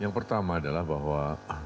yang pertama adalah bahwa